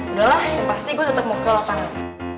udah lah yang pasti gue tetep mau ke lapangan